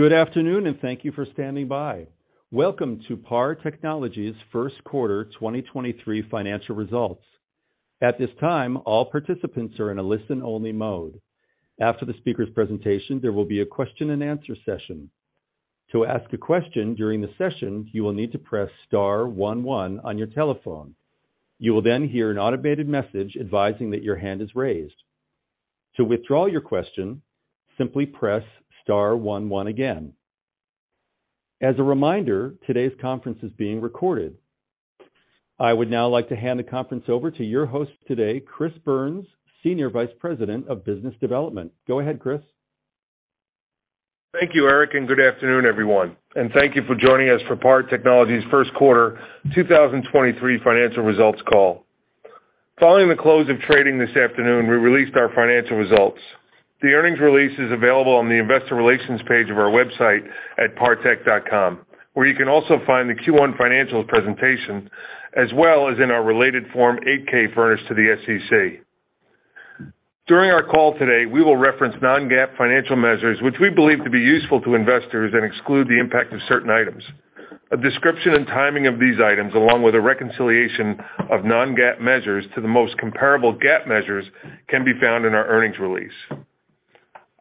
Good afternoon, and thank you for standing by. Welcome to PAR Technology Q1 2023 financial results. At this time, all participants are in a listen-only mode. After the speaker's presentation, there will be a question and answer session. To ask a question during the session, you will need to press star 11 on your telephone. You will then hear an automated message advising that your hand is raised. To withdraw your question, simply press star 11 again. As a reminder, today's conference is being recorded. I would now like to hand the conference over to your host today, Chris Byrnes, Senior Vice President of Business Development. Go ahead, Chris. Thank you, Eric, and good afternoon, everyone. Thank you for joining us for PAR Technology's Q1 2023 financial results call. Following the close of trading this afternoon, we released our financial results. The earnings release is available on the investor relations page of our website at partech.com, where you can also find the Q1 financials presentation, as well as in our related Form 8-K furnished to the SEC. During our call today, we will reference non-GAAP financial measures which we believe to be useful to investors and exclude the impact of certain items. A description and timing of these items, along with a reconciliation of non-GAAP measures to the most comparable GAAP measures, can be found in our earnings release.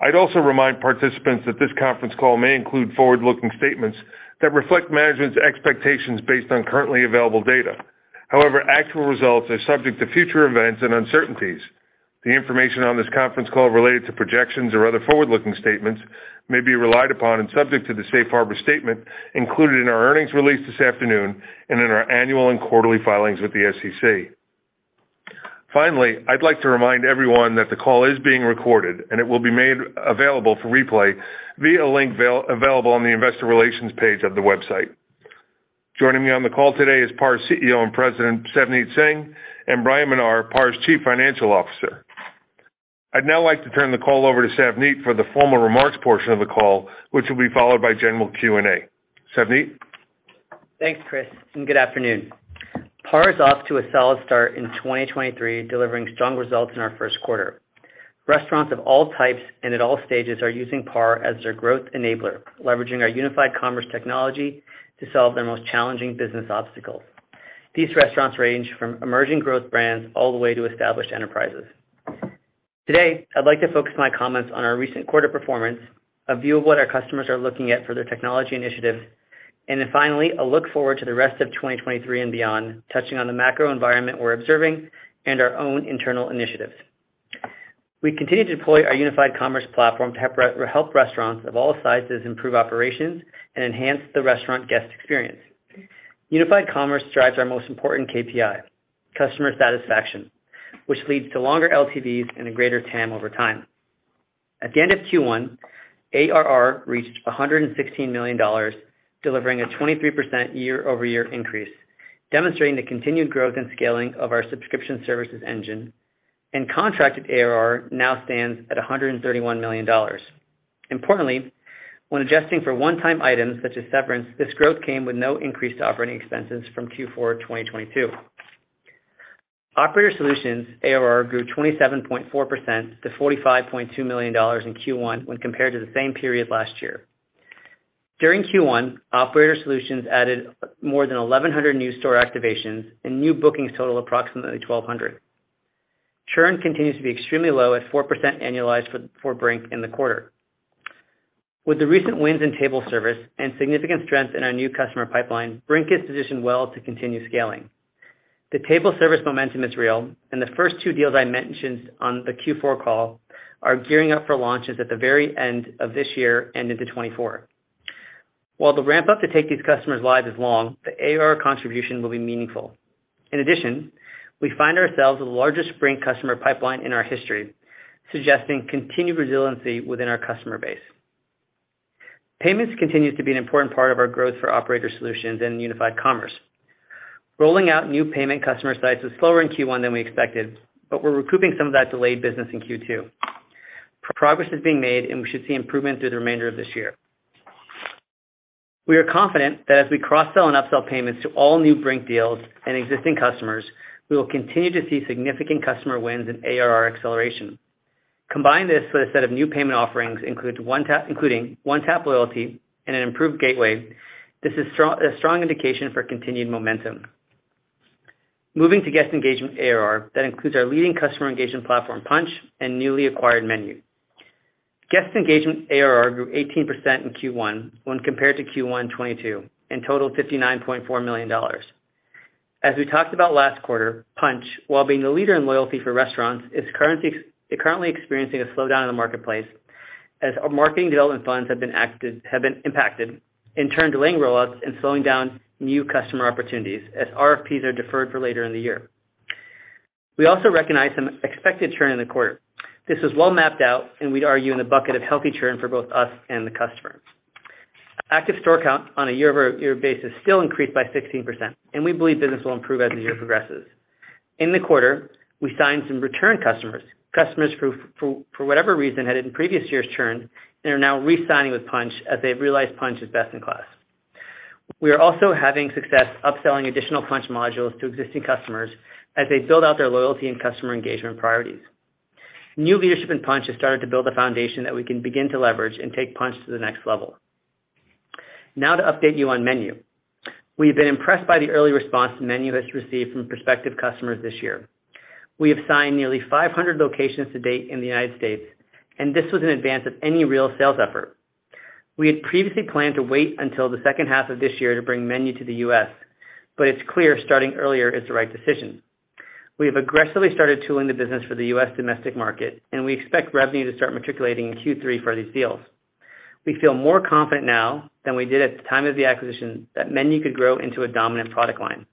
I'd also remind participants that this conference call may include forward-looking statements that reflect management's expectations based on currently available data. However, actual results are subject to future events and uncertainties. The information on this conference call related to projections or other forward-looking statements may be relied upon and subject to the safe harbor statement included in our earnings release this afternoon and in our annual and quarterly filings with the SEC. Finally, I'd like to remind everyone that the call is being recorded, and it will be made available for replay via a link available on the investor relations page of the website. Joining me on the call today is PAR's CEO and President, Savneet Singh, and Bryan Menar, PAR's Chief Financial Officer. I'd now like to turn the call over to Savneet for the formal remarks portion of the call, which will be followed by general Q&A. Savneet? Thanks, Chris. Good afternoon. PAR is off to a solid start in 2023, delivering strong results in our first quarter. Restaurants of all types and at all stages are using PAR as their growth enabler, leveraging our unified commerce technology to solve their most challenging business obstacles. These restaurants range from emerging growth brands all the way to established enterprises. Today, I'd like to focus my comments on our recent quarter performance, a view of what our customers are looking at for their technology initiatives. Finally, a look forward to the rest of 2023 and beyond, touching on the macro environment we're observing and our own internal initiatives. We continue to deploy our unified commerce platform to help restaurants of all sizes improve operations and enhance the restaurant guest experience. Unified commerce drives our most important KPI, customer satisfaction, which leads to longer LTVs and a greater TAM over time. At the end of Q1, ARR reached $116 million, delivering a 23% year-over-year increase, demonstrating the continued growth and scaling of our subscription services engine, and contracted ARR now stands at $131 million. Importantly, when adjusting for one-time items such as severance, this growth came with no increase to OpEx from Q4 2022. Operator Solutions' ARR grew 27.4% to $45.2 million in Q1 when compared to the same period last year. During Q1, Operator Solutions added more than 1,100 new store activations and new bookings total approximately 1,200. Churn continues to be extremely low at 4% annualized for Brink in the quarter. With the recent wins in table service and significant strength in our new customer pipeline, Brink is positioned well to continue scaling. The table service momentum is real, and the first two deals I mentioned on the Q4 call are gearing up for launches at the very end of this year and into 2024. While the ramp-up to take these customers live is long, the ARR contribution will be meaningful. In addition, we find ourselves with the largest Brink customer pipeline in our history, suggesting continued resiliency within our customer base. Payments continues to be an important part of our growth for Operator Solutions and unified commerce. Rolling out new payment customer sites was slower in Q1 than we expected, but we're recouping some of that delayed business in Q2. Progress is being made, and we should see improvement through the remainder of this year. We are confident that as we cross-sell and upsell payments to all new Brink deals and existing customers, we will continue to see significant customer wins and ARR acceleration. Combine this with a set of new payment offerings including One-Tap Loyalty and an improved gateway, a strong indication for continued momentum. Moving to Guest Engagement ARR, that includes our leading customer engagement platform, Punchh, and newly acquired MENU. Guest Engagement ARR grew 18% in Q1 when compared to Q1 2022 and totaled $59.4 million. As we talked about last quarter, Punchh, while being the leader in loyalty for restaurants, is currently experiencing a slowdown in the marketplace as our marketing development funds have been impacted, in turn delaying rollouts and slowing down new customer opportunities as RFPs are deferred for later in the year. We also recognize some expected churn in the quarter. This was well mapped out, and we'd argue in the bucket of healthy churn for both us and the customer. Active store count on a year-over-year basis still increased by 16%, and we believe business will improve as the year progresses. In the quarter, we signed some return customers who for whatever reason, had in previous years churned and are now re-signing with Punchh as they've realized Punchh is best in class. We are also having success upselling additional Punchh modules to existing customers as they build out their loyalty and customer engagement priorities. New leadership in Punchh has started to build a foundation that we can begin to leverage and take Punchh to the next level. Now to update you on MENU. We've been impressed by the early response Menu has received from prospective customers this year. We have signed nearly 500 locations to date in the United States. This was in advance of any real sales effort. We had previously planned to wait until the second half of this year to bring Menu to the U.S. It's clear starting earlier is the right decision. We have aggressively started tooling the business for the U.S. domestic market, we expect revenue to start matriculating in Q3 for these deals. We feel more confident now than we did at the time of the acquisition that Menu could grow into a dominant product line.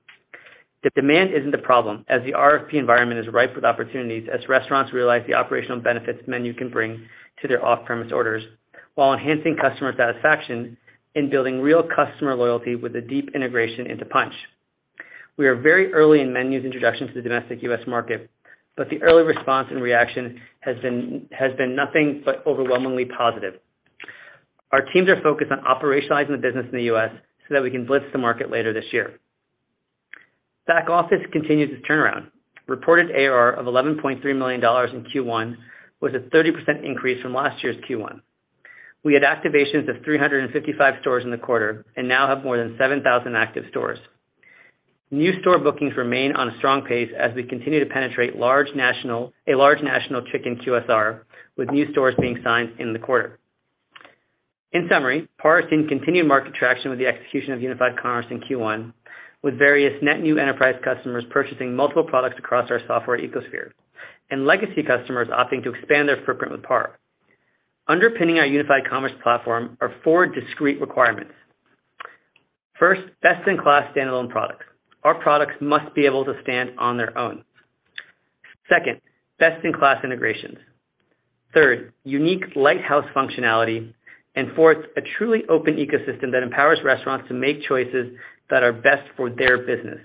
The demand isn't the problem, as the RFP environment is ripe with opportunities as restaurants realize the operational benefits MENU can bring to their off-premise orders while enhancing customer satisfaction in building real customer loyalty with a deep integration into Punchh. We are very early in MENU's introduction to the domestic US market. The early response and reaction has been nothing but overwhelmingly positive. Our teams are focused on operationalizing the business in the US so that we can blitz the market later this year. Back Office continues its turnaround. Reported ARR of $11.3 million in Q1 was a 30% increase from last year's Q1. We had activations of 355 stores in the quarter and now have more than 7,000 active stores. New store bookings remain on a strong pace as we continue to penetrate a large national chicken QSR, with new stores being signed in the quarter. In summary, PAR has seen continued market traction with the execution of unified commerce in Q1, with various net new enterprise customers purchasing multiple products across our software ecosphere, and legacy customers opting to expand their footprint with PAR. Underpinning our unified commerce platform are four discrete requirements. First, best-in-class standalone products. Our products must be able to stand on their own. Second, best-in-class integrations. Third, unique lighthouse functionality. Fourth, a truly open ecosystem that empowers restaurants to make choices that are best for their business.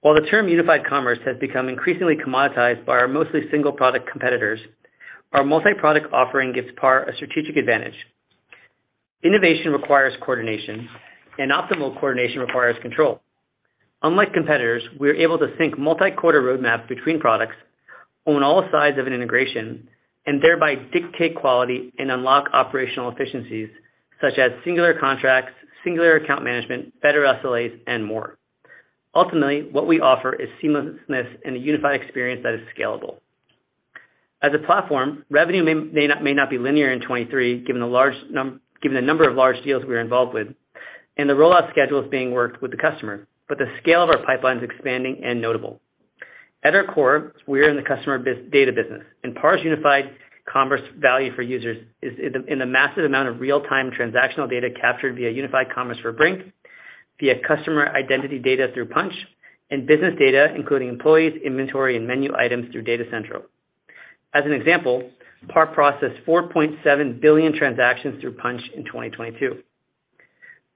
While the term unified commerce has become increasingly commoditized by our mostly single-product competitors, our multi-product offering gives PAR a strategic advantage. Innovation requires coordination, and optimal coordination requires control. Unlike competitors, we are able to sync multi-quarter roadmaps between products, own all sides of an integration, and thereby dictate quality and unlock operational efficiencies such as singular contracts, singular account management, better SLAs, and more. Ultimately, what we offer is seamlessness in a unified experience that is scalable. As a platform, revenue may not be linear in 23, given the number of large deals we are involved with. The rollout schedule is being worked with the customer, but the scale of our pipeline is expanding and notable. At our core, we are in the customer data business, and PAR's unified commerce value for users is in the massive amount of real-time transactional data captured via unified commerce for Brink, via customer identity data through Punchh, and business data, including employees, inventory, and menu items through Data Central. As an example, PAR processed 4.7 billion transactions through Punchh in 2022.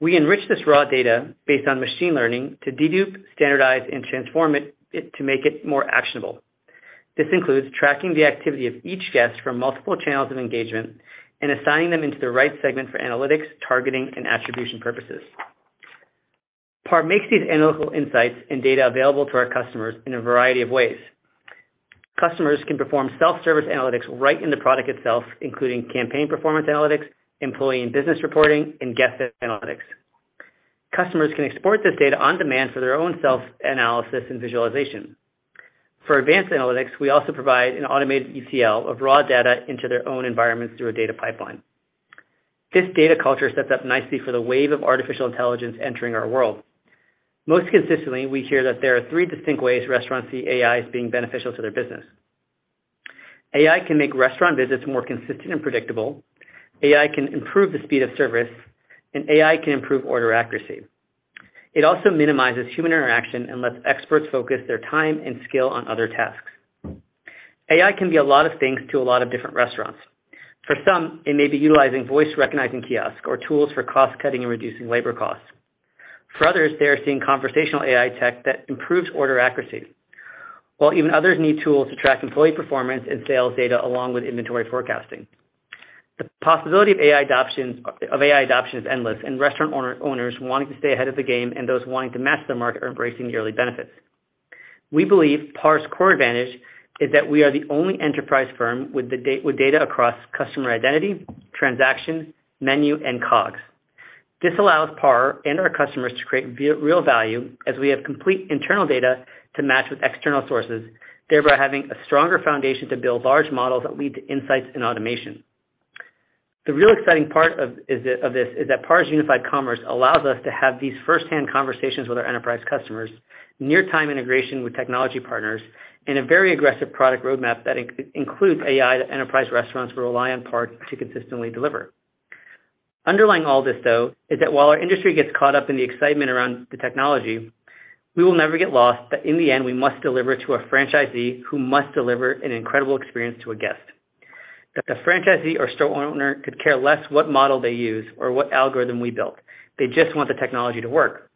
We enrich this raw data based on machine learning to dedup, standardize, and transform it to make it more actionable. This includes tracking the activity of each guest from multiple channels of engagement and assigning them into the right segment for analytics, targeting, and attribution purposes. PAR makes these analytical insights and data available to our customers in a variety of ways. Customers can perform self-service analytics right in the product itself, including campaign performance analytics, employee and business reporting, and guest analytics. Customers can export this data on demand for their own self-analysis and visualization. For advanced analytics, we also provide an automated ETL of raw data into their own environments through a data pipeline. This data culture sets up nicely for the wave of artificial intelligence entering our world. Most consistently, we hear that there are three distinct ways restaurants see AI as being beneficial to their business. AI can make restaurant visits more consistent and predictable, AI can improve the speed of service, and AI can improve order accuracy. It also minimizes human interaction and lets experts focus their time and skill on other tasks. AI can be a lot of things to a lot of different restaurants. For some, it may be utilizing voice-recognizing kiosk or tools for cost-cutting and reducing labor costs. For others, they are seeing conversational AI tech that improves order accuracy. While even others need tools to track employee performance and sales data along with inventory forecasting. The possibility of AI adoption is endless, and restaurant owners wanting to stay ahead of the game and those wanting to master the market are embracing the early benefits. We believe PAR's core advantage is that we are the only enterprise firm with data across customer identity, transaction, menu, and cogs. This allows PAR and our customers to create real value as we have complete internal data to match with external sources, thereby having a stronger foundation to build large models that lead to insights and automation. The real exciting part of this is that PAR's unified commerce allows us to have these first-hand conversations with our enterprise customers, near-time integration with technology partners, and a very aggressive product roadmap that includes AI that enterprise restaurants will rely on PAR to consistently deliver. Underlying all this, though, is that while our industry gets caught up in the excitement around the technology, we will never get lost, but in the end, we must deliver to a franchisee who must deliver an incredible experience to a guest. That the franchisee or store owner could care less what model they use or what algorithm we built. They just want the technology to work.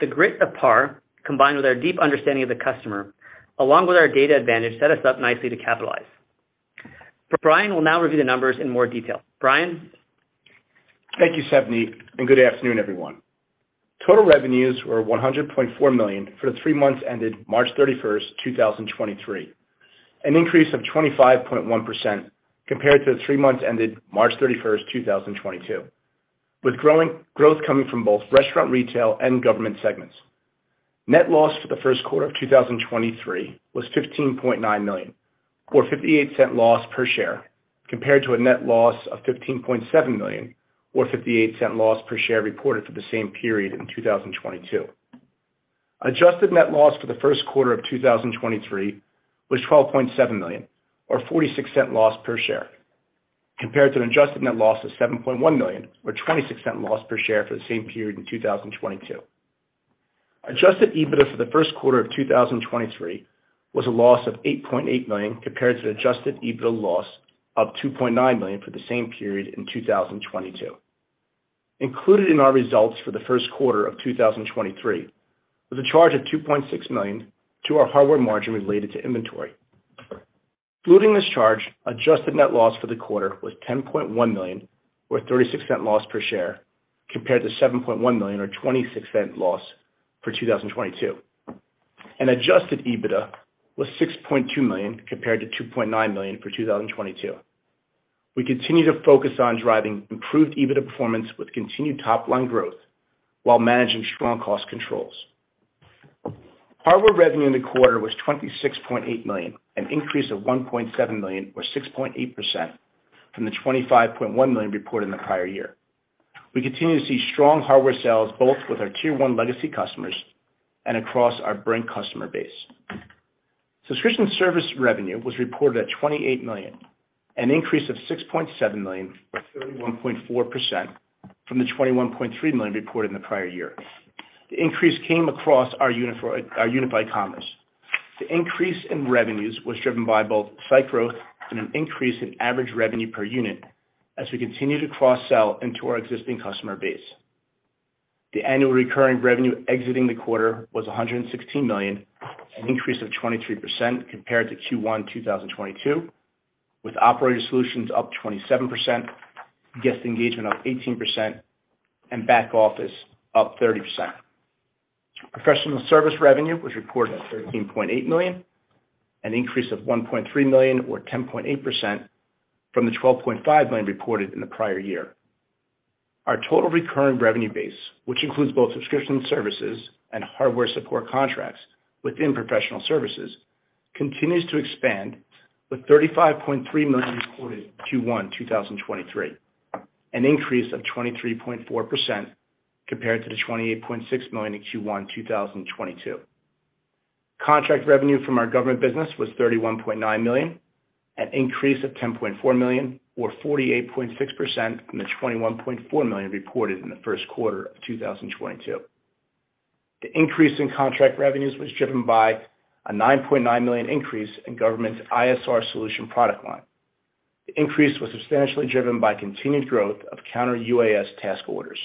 The grit of PAR, combined with our deep understanding of the customer, along with our data advantage, set us up nicely to capitalize. Bryan will now review the numbers in more detail. Bryan? Thank you, Savneet, good afternoon, everyone. Total revenues were $100.4 million for the three months ended March 31st, 2023, an increase of 25.1% compared to the three months ended March 31st, 2022, with growth coming from both restaurant, retail, and government segments. Net loss for the Q1 of 2023 was $15.9 million, or $0.58 loss per share, compared to a net loss of $15.7 million, or $0.58 loss per share reported for the same period in 2022. Adjusted net loss for the Q1 of 2023 was $12.7 million, or $0.46 loss per share, compared to an adjusted net loss of $7.1 million or $0.26 loss per share for the same period in 2022. Adjusted EBITDA for the Q1 of 2023 was a loss of $8.8 million, compared to an Adjusted EBITDA loss of $2.9 million for the same period in 2022. Included in our results for the Q1 of 2023 was a charge of $2.6 million to our hardware margin related to inventory. Excluding this charge, adjusted net loss for the quarter was $10.1 million or $0.36 loss per share, compared to $7.1 million or $0.26 loss for 2022. Adjusted EBITDA was $6.2 million compared to $2.9 million for 2022. We continue to focus on driving improved EBITDA performance with continued top-line growth while managing strong cost controls. Hardware revenue in the quarter was $26.8 million, an increase of $1.7 million or 6.8% from the $25.1 million reported in the prior year. We continue to see strong hardware sales both with our tier one legacy customers and across our Brink customer base. Subscription service revenue was reported at $28 million, an increase of $6.7 million or 31.4% from the $21.3 million reported in the prior year. The increase came across our unified commerce. The increase in revenues was driven by both site growth and an increase in average revenue per unit as we continue to cross-sell into our existing customer base. The annual recurring revenue exiting the quarter was $116 million, an increase of 23% compared to Q1 2022, with Operator Solutions up 27%, Guest Engagement up 18%, and Back Office up 30%. Professional Services revenue was reported at $13.8 million, an increase of $1.3 million or 10.8% from the $12.5 million reported in the prior year. Our total recurring revenue base, which includes both subscription services and hardware support contracts within Professional Services, continues to expand with $35.3 million reported in Q1 2023, an increase of 23.4% compared to the $28.6 million in Q1 2022. Contract revenue from our government business was $31.9 million, an increase of $10.4 million or 48.6% from the $21.4 million reported in the Q1 of 2022. The increase in contract revenues was driven by a $9.9 million increase in government's ISR solution product line. The increase was substantially driven by continued growth of Counter-UAS task orders.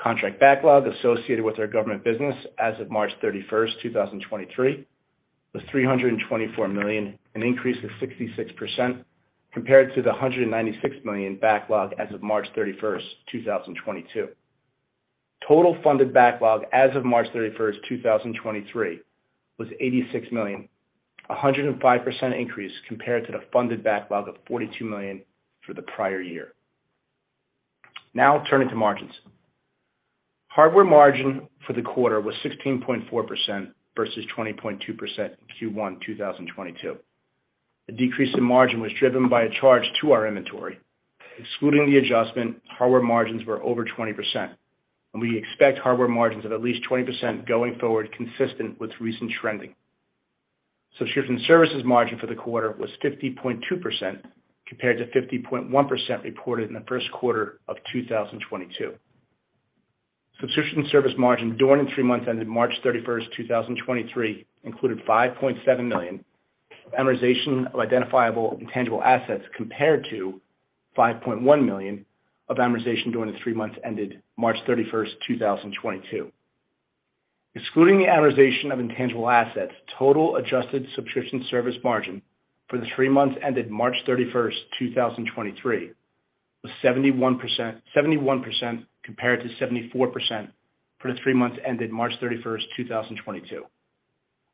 Contract backlog associated with our government business as of March 31, 2023, was $324 million, an increase of 66% compared to the $196 million backlog as of March 31, 2022. Total funded backlog as of March 31, 2023, was $86 million, a 105% increase compared to the funded backlog of $42 million for the prior year. Turning to margins. Hardware margin for the quarter was 16.4% versus 20.2% in Q1 2022. The decrease in margin was driven by a charge to our inventory. Excluding the adjustment, hardware margins were over 20%, and we expect hardware margins of at least 20% going forward, consistent with recent trending. Subscription services margin for the quarter was 50.2%, compared to 50.1% reported in the Q1 of 2022. Subscription service margin during the 3 months ended March 31, 2023, included $5.7 million amortization of identifiable intangible assets, compared to $5.1 million of amortization during the 3 months ended March 31, 2022. Excluding the amortization of intangible assets, total adjusted subscription service margin for the three months ended March 31st, 2023, was 71% compared to 74% for the three months ended March 31st, 2022.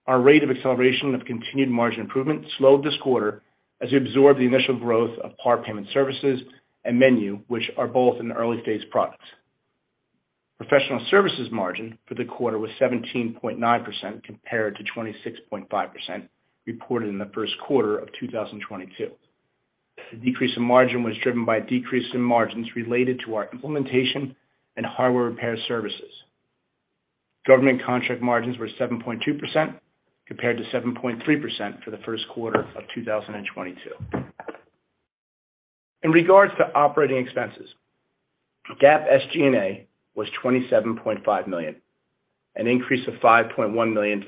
Our rate of acceleration of continued margin improvement slowed this quarter as we absorbed the initial growth of PAR Payment Services and MENU, which are both in the early phase products. Professional services margin for the quarter was 17.9% compared to 26.5% reported in the Q1 of 2022. The decrease in margin was driven by a decrease in margins related to our implementation and hardware repair services. Government contract margins were 7.2% compared to 7.3% for the Q1 of 2022. In regards to operating expenses, GAAP SG&A was $27.5 million, an increase of $5.1 million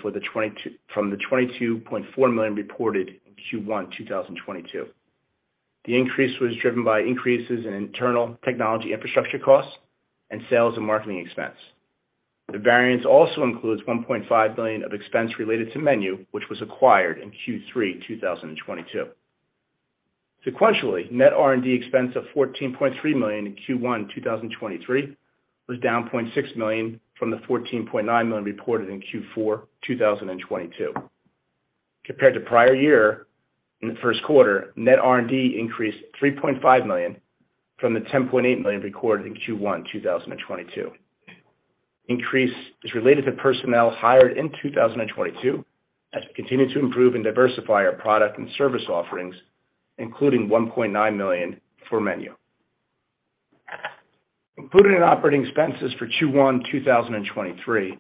from the $22.4 million reported in Q1 2022. The increase was driven by increases in internal technology infrastructure costs and sales and marketing expense. The variance also includes $1.5 million of expense related to MENU, which was acquired in Q3 2022. Sequentially, net R&D expense of $14.3 million in Q1 2023 was down $0.6 million from the $14.9 million reported in Q4 2022. Compared to prior year in the Q1, net R&D increased $3.5 million from the $10.8 million recorded in Q1 2022. Increase is related to personnel hired in 2022 as we continue to improve and diversify our product and service offerings, including $1.9 million for MENU. Included in operating expenses for Q1 2023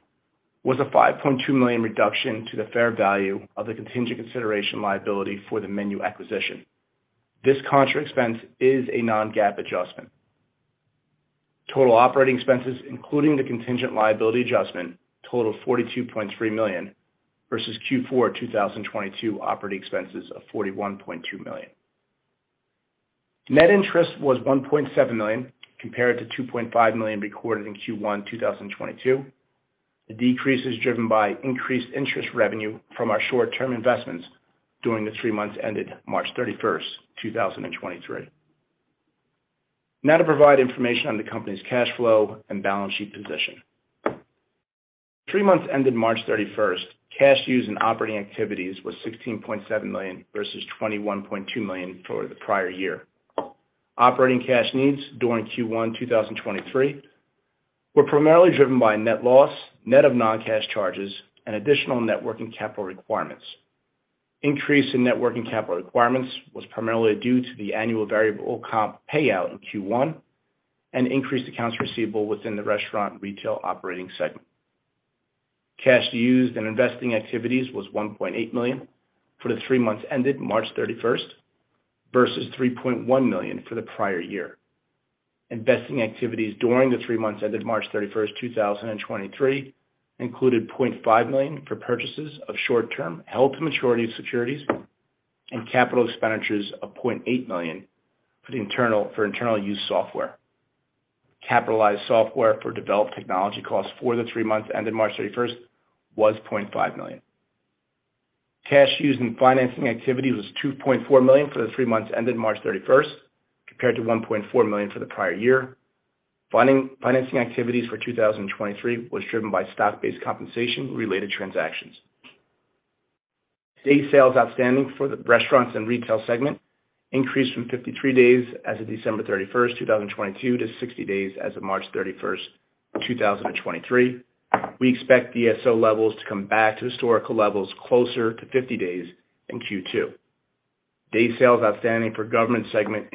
was a $5.2 million reduction to the fair value of the contingent consideration liability for the MENU acquisition. This contra expense is a non-GAAP adjustment. Total operating expenses, including the contingent liability adjustment, total $42.3 million versus Q4 2022 operating expenses of $41.2 million. Net interest was $1.7 million compared to $2.5 million recorded in Q1 2022. The decrease is driven by increased interest revenue from our short-term investments during the three months ended March thirty-first, 2023. Now to provide information on the company's cash flow and balance sheet position. Three months ended March thirty-first, cash used in operating activities was $16.7 million versus $21.2 million for the prior year. Operating cash needs during Q1 2023 were primarily driven by net loss, net of non-cash charges and additional net working capital requirements. Increase in net working capital requirements was primarily due to the annual variable comp payout in Q1 and increased accounts receivable within the restaurant retail operating segment. Cash used in investing activities was $1.8 million for the three months ended March 31st versus $3.1 million for the prior year. Investing activities during the 3 months ended March 31st, 2023 included $0.5 million for purchases of short-term held-to-maturity securities and capital expenditures of $0.8 million for internal use software. Capitalized software for developed technology costs for the 3 months ended March 31st was $0.5 million. Cash used in financing activities was $2.4 million for the three months ended March 31, compared to $1.4 million for the prior year. Financing activities for 2023 was driven by stock-based compensation related transactions. Day sales outstanding for the restaurants and retail segment increased from 53 days as of December 31, 2022, to 60 days as of March 31, 2023. We expect DSO levels to come back to historical levels closer to 50 days in Q2. Day sales outstanding for government segment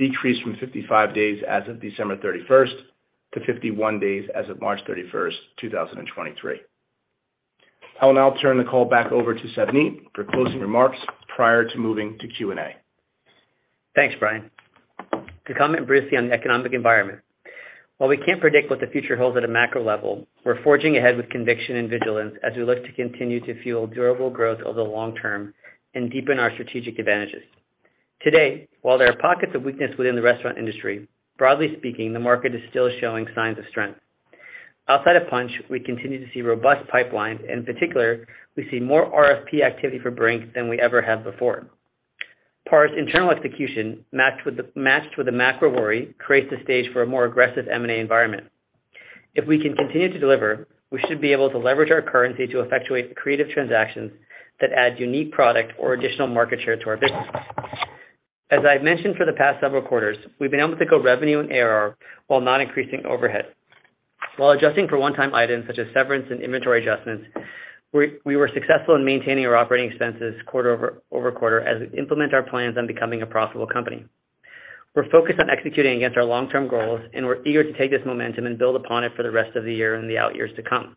decreased from 55 days as of December 31 to 51 days as of March 31, 2023. I will now turn the call back over to Savneet for closing remarks prior to moving to Q&A. Thanks, Bryan. To comment briefly on the economic environment. While we can't predict what the future holds at a macro level, we're forging ahead with conviction and vigilance as we look to continue to fuel durable growth over the long term and deepen our strategic advantages. Today, while there are pockets of weakness within the restaurant industry, broadly speaking, the market is still showing signs of strength. Outside of Punchh, we continue to see robust pipelines, and in particular, we see more RFP activity for Brink than we ever have before. PAR's internal execution matched with the macro worry, creates the stage for a more aggressive M&A environment. If we can continue to deliver, we should be able to leverage our currency to effectuate creative transactions that add unique product or additional market share to our business. As I've mentioned for the past several quarters, we've been able to grow revenue and ARR while not increasing overhead. While adjusting for one-time items such as severance and inventory adjustments, we were successful in maintaining our operating expenses quarter-over-quarter as we implement our plans on becoming a profitable company. We're focused on executing against our long-term goals, and we're eager to take this momentum and build upon it for the rest of the year and the out years to come.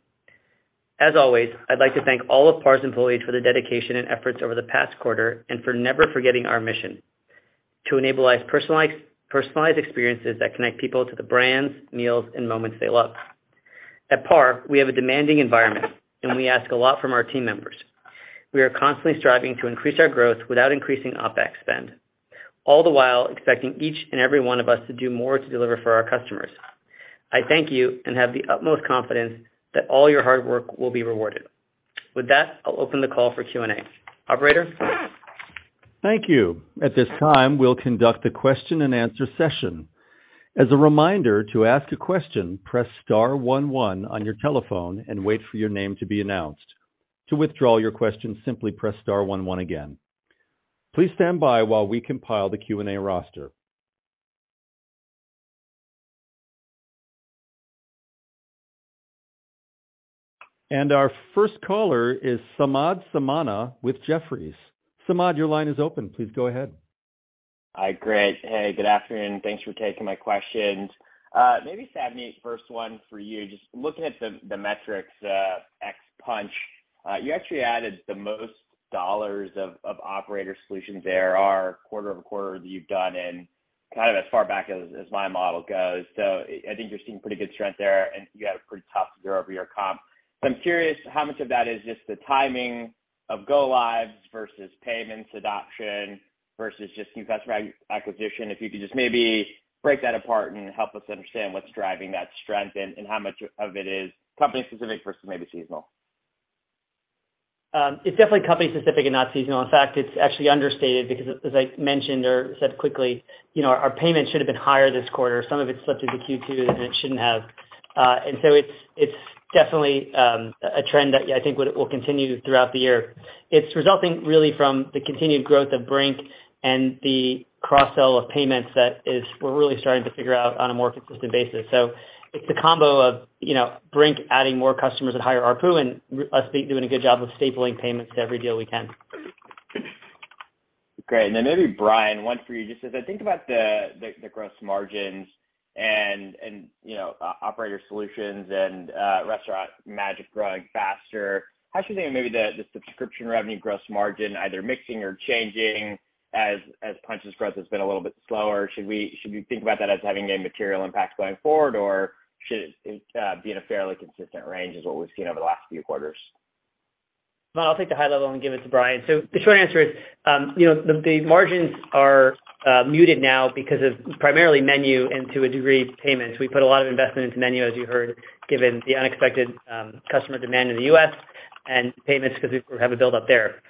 As always, I'd like to thank all of PAR's employees for the dedication and efforts over the past quarter and for never forgetting our mission: to enable personalized experiences that connect people to the brands, meals, and moments they love. At PAR, we have a demanding environment, and we ask a lot from our team members. We are constantly striving to increase our growth without increasing OpEx spend, all the while expecting each and every one of us to do more to deliver for our customers. I thank you and have the utmost confidence that all your hard work will be rewarded. With that, I'll open the call for Q&A. Operator? Thank you. At this time, we'll conduct a question and answer session. As a reminder, to ask a question, press star one one on your telephone and wait for your name to be announced. To withdraw your question, simply press star one one again. Please stand by while we compile the Q&A roster. Our first caller is Samad Samana with Jefferies. Samad, your line is open. Please go ahead. Hi, great. Hey, good afternoon. Thanks for taking my questions. Maybe Savneet, first one for you. Just looking at the metrics, ex Punchh, you actually added the most dollars of Operator Solutions there are quarter-over-quarter that you've done in kind of as far back as my model goes. I think you're seeing pretty good strength there, and you had a pretty tough year-over-year comp. I'm curious how much of that is just the timing of go lives versus payments adoption versus just new customer acquisition. If you could just maybe break that apart and help us understand what's driving that strength and how much of it is company-specific versus maybe seasonal. It's definitely company specific and not seasonal. In fact, it's actually understated because as I mentioned or said quickly, you know, our payments should have been higher this quarter. Some of it slipped into Q2, and it shouldn't have. It's definitely a trend that I think will continue throughout the year. It's resulting really from the continued growth of Brink and the cross-sell of payments that we're really starting to figure out on a more consistent basis. It's a combo of, you know, Brink adding more customers at higher ARPU and us doing a good job of stapling payments to every deal we can. Great. Maybe Bryan, one for you, just as I think about the gross margins and, you know, Operator Solutions and Restaurant Magic growing faster, how should you think of maybe the subscription revenue gross margin either mixing or changing as Punchh's growth has been a little bit slower? Should we think about that as having a material impact going forward, or should it be in a fairly consistent range as what we've seen over the last few quarters? I'll take the high level and give it to Bryan. The short answer is, you know, the margins are muted now because of primarily MENU and to a degree, Payments. We put a lot of investment into MENU, as you heard, given the unexpected customer demand in the U.S. and Payments because we have a build up there.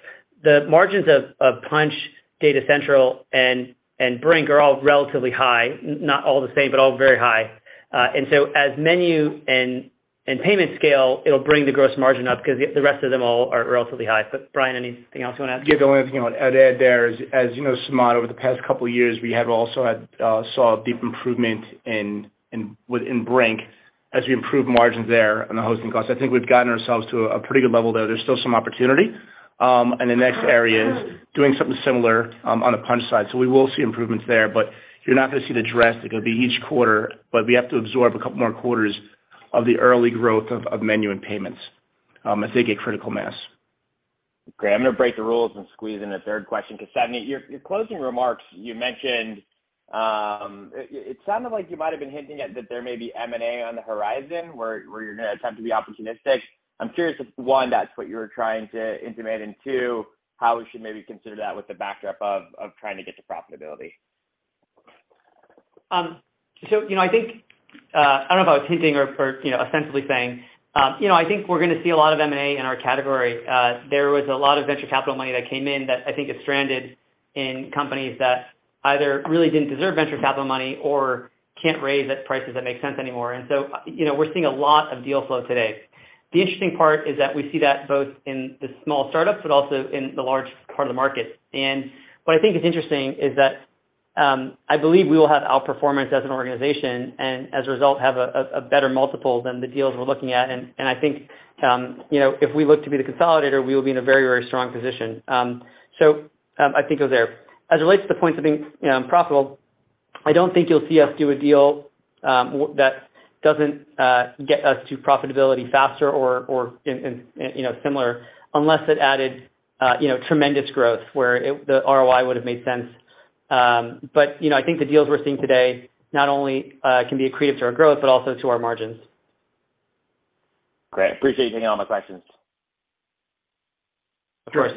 The margins of Punchh, Data Central, and Brink are all relatively high, not all the same, but all very high. As MENU and Payments scale, it'll bring the gross margin up because the rest of them all are relatively high. Bryan, anything else you wanna add? Yeah, the only thing I would add there is, as you know, Samad, over the past couple of years, we have also had saw a deep improvement within Brink as we improved margins there on the hosting costs. I think we've gotten ourselves to a pretty good level there. There's still some opportunity in the next areas, doing something similar on the Punchh side. So we will see improvements there, but you're not gonna see the drastic. It'll be each quarter, but we have to absorb a couple more quarters of the early growth of MENU and payments, as they get critical mass. Great. I'm gonna break the rules and squeeze in a third question. Savneet, your closing remarks, you mentioned, it sounded like you might have been hinting at that there may be M&A on the horizon where you're gonna attempt to be opportunistic. I'm curious if, one, that's what you were trying to intimate, and two, how we should maybe consider that with the backdrop of trying to get to profitability. So, you know, I think, I don't know if I was hinting or ostensibly saying, I think we're gonna see a lot of M&A in our category. There was a lot of venture capital money that came in that I think is stranded in companies that either really didn't deserve venture capital money or can't raise at prices that make sense anymore. We're seeing a lot of deal flow today. The interesting part is that we see that both in the small startups, but also in the large part of the market. What I think is interesting is that I believe we will have outperformance as an organization and as a result, have a better multiple than the deals we're looking at. I think, you know, if we look to be the consolidator, we will be in a very, very strong position. I think it was there. As it relates to the point of being, you know, profitable, I don't think you'll see us do a deal that doesn't get us to profitability faster or in, you know, similar unless it added, you know, tremendous growth where the ROI would have made sense. You know, I think the deals we're seeing today not only can be accretive to our growth, but also to our margins. Great. Appreciate you taking all my questions. Of course.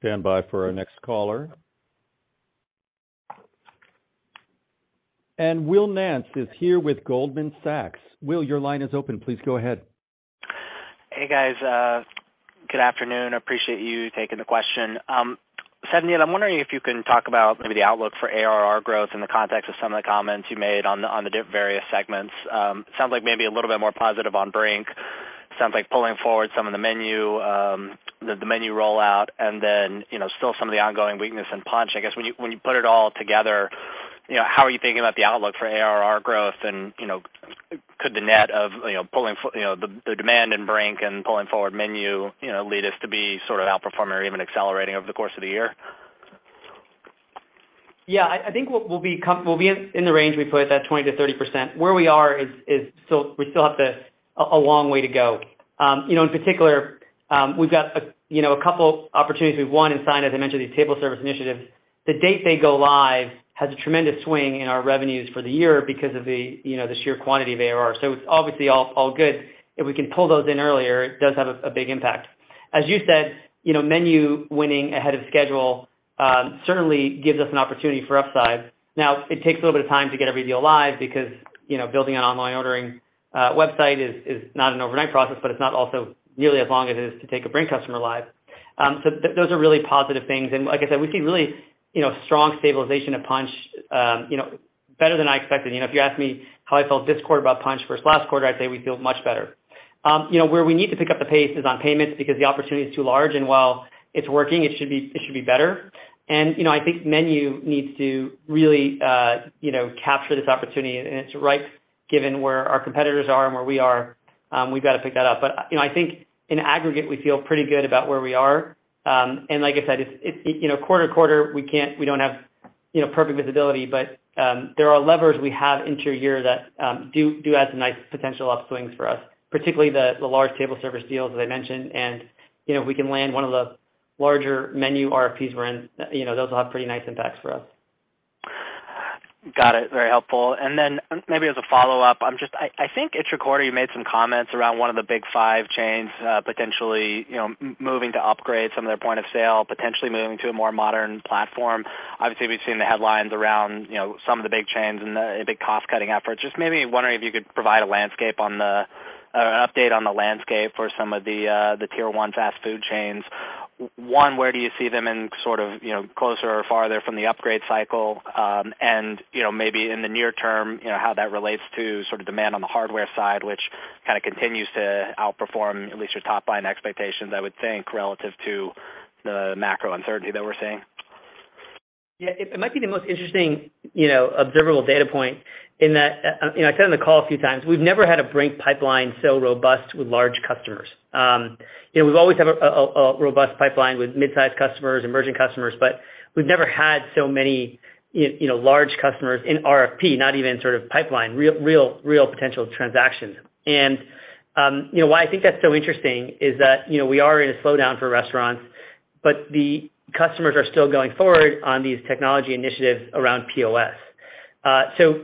Standby for our next caller. Will Nance is here with Goldman Sachs. Will, your line is open. Please go ahead. Hey, guys, good afternoon. Appreciate you taking the question. Savneet, I'm wondering if you can talk about maybe the outlook for ARR growth in the context of some of the comments you made on the various segments. Sounds like maybe a little bit more positive on Brink. Sounds like pulling forward some of the MENU, the MENU rollout, and then, you know, still some of the ongoing weakness in Punchh. I guess when you, when you put it all together, you know, how are you thinking about the outlook for ARR growth? You know, could the net of, you know, pulling forward the demand in Brink and pulling forward MENU, you know, lead us to be sort of outperforming or even accelerating over the course of the year? I think we'll be in the range we put, that 20%-30%. Where we are is we still have a long way to go. You know, in particular, we've got a, you know, a couple opportunities we've won and signed, as I mentioned, these table service initiatives. The date they go live has a tremendous swing in our revenues for the year because of the, you know, the sheer quantity of ARR. It's obviously all good. If we can pull those in earlier, it does have a big impact. As you said, you know, MENU winning ahead of schedule, certainly gives us an opportunity for upside. Now, it takes a little bit of time to get every deal live because, you know, building an online ordering website is not an overnight process, but it's not also nearly as long as it is to take a Brink customer live. Those are really positive things. Like I said, we see really, you know, strong stabilization of Punch, you know, better than I expected. You know, if you asked me how I felt this quarter about Punch versus last quarter, I'd say we feel much better. You know, where we need to pick up the pace is on payments because the opportunity is too large, and while it's working, it should be better. You know, I think MENU needs to really, you know, capture this opportunity, and it's ripe given where our competitors are and where we are. We've got to pick that up. You know, I think in aggregate, we feel pretty good about where we are. Like I said, it's, you know, quarter to quarter, we don't have, you know, perfect visibility, but there are levers we have into a year that do add some nice potential upswings for us, particularly the large table service deals that I mentioned. You know, if we can land one of the larger MENU RFPs we're in, you know, those will have pretty nice impacts for us. Got it. Very helpful. Maybe as a follow-up, I think at your quarter, you made some comments around one of the big five chains, potentially, you know, moving to upgrade some of their point of sale, potentially moving to a more modern platform. Obviously, we've seen the headlines around, you know, some of the big chains and the big cost-cutting efforts. Just maybe wondering if you could provide a landscape or an update on the landscape for some of the tier one fast food chains. One, where do you see them in sort of, you know, closer or farther from the upgrade cycle? You know, maybe in the near term, you know, how that relates to sort of demand on the hardware side, which kind of continues to outperform at least your top line expectations, I would think, relative to the macro uncertainty that we're seeing. Yeah. It might be the most interesting, you know, observable data point in that, you know, I said on the call a few times, we've never had a Brink pipeline so robust with large customers. You know, we've always had a robust pipeline with mid-sized customers, emerging customers, but we've never had so many, you know, large customers in RFP, not even sort of pipeline, real potential transactions. You know, why I think that's so interesting is that, you know, we are in a slowdown for restaurants, but the customers are still going forward on these technology initiatives around POS.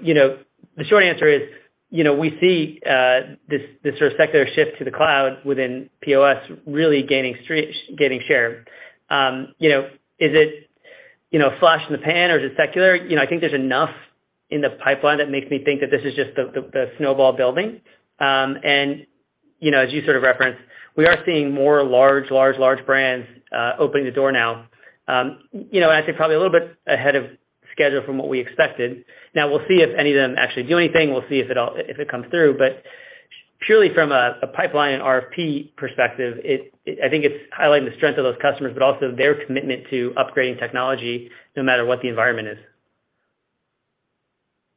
You know, the short answer is, you know, we see, this sort of secular shift to the cloud within POS really gaining gaining share. You know, is it, you know, flash in the pan or is it secular? You know, I think there's enough in the pipeline that makes me think that this is just the snowball building. You know, as you sort of referenced, we are seeing more large brands, opening the door now. You know, and I'd say probably a little bit ahead of schedule from what we expected. Now we'll see if any of them actually do anything. We'll see if it comes through. Purely from a pipeline and RFP perspective, I think it's highlighting the strength of those customers, but also their commitment to upgrading technology no matter what the environment is.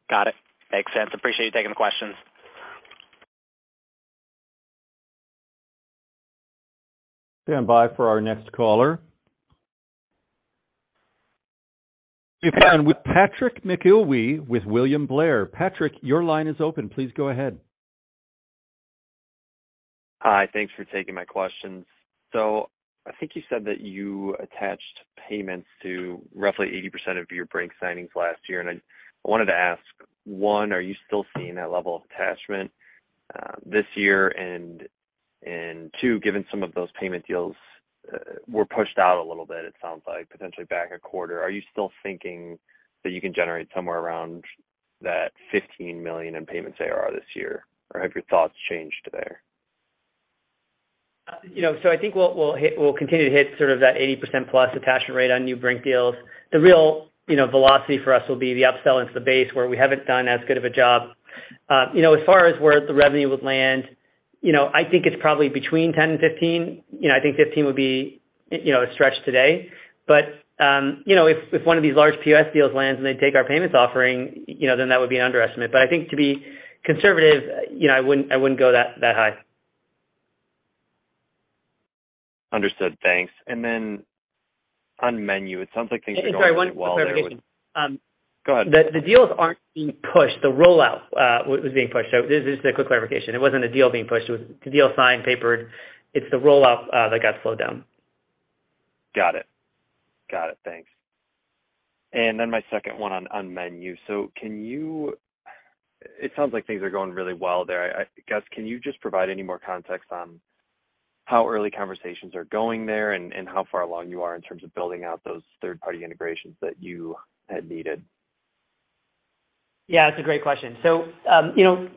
Got it. Makes sense. Appreciate you taking the questions. Stand by for our next caller. We'll be back with Patrick McIlwee with William Blair. Patrick, your line is open. Please go ahead. Hi. Thanks for taking my questions. I think you said that you attached payments to roughly 80% of your Brink signings last year, and I wanted to ask, one, are you still seeing that level of attachment this year? Two, given some of those payment deals were pushed out a little bit, it sounds like potentially back a quarter, are you still thinking that you can generate somewhere around that $15 million in payments ARR this year? Or have your thoughts changed there? You know, I think we'll continue to hit sort of that 80%+ attachment rate on new Brink deals. The real, you know, velocity for us will be the upsell into the base where we haven't done as good of a job. You know, as far as where the revenue would land, you know, I think it's probably between $10 and $15. You know, I think $15 would be, you know, a stretch today. If one of these large POS deals lands and they take our payments offering, you know, then that would be an underestimate. I think to be conservative, you know, I wouldn't go that high. Understood. Thanks. On MENU, it sounds like things are going. Sorry, one quick clarification. Go ahead. The deals aren't being pushed. The rollout was being pushed. This is a quick clarification. It wasn't a deal being pushed. It was the deal signed, papered. It's the rollout that got slowed down. Got it. Got it. Thanks. Then my second one on MENU. It sounds like things are going really well there. I, Gus, can you just provide any more context on how early conversations are going there and how far along you are in terms of building out those third-party integrations that you had needed? Yeah, that's a great question. you know,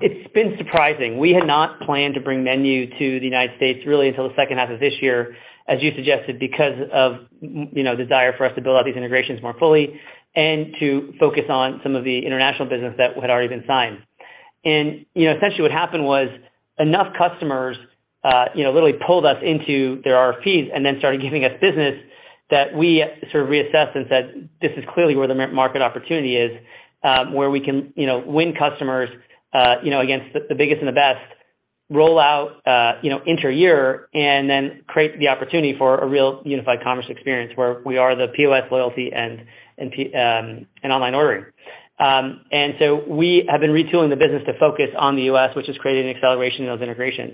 it's been surprising. We had not planned to bring MENU to the United States really until the second half of this year, as you suggested, because of you know, desire for us to build out these integrations more fully and to focus on some of the international business that had already been signed. You know, essentially what happened was enough customers, you know, literally pulled us into their RFPs and then started giving us business that we sort of reassessed and said, "This is clearly where the market opportunity is, where we can, you know, win customers, you know, against the biggest and the best, roll out, you know, inter year, and then create the opportunity for a real unified commerce experience where we are the POS loyalty and online ordering." We have been retooling the business to focus on the U.S., which has created an acceleration in those integrations.